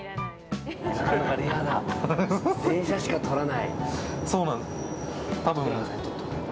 電車しか撮らない。